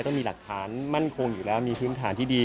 ต้องมีหลักฐานมั่นคงอยู่แล้วมีพื้นฐานที่ดี